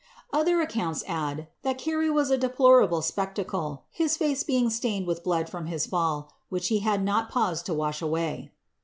Other accounts add, that Carey was a deplorable spectacle, his face being stained with the blood from his fall, which he had not pauscl to wash away.